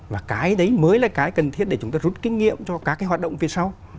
và cái đấy mới là cái cần thiết để chúng ta rút kinh nghiệm cho các cái hoạt động phía sau